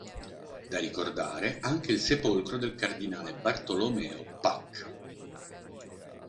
Da ricordare anche il sepolcro del cardinale Bartolomeo Pacca.